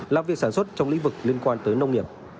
làm việc sản xuất trong lĩnh vực liên quan tới nông nghiệp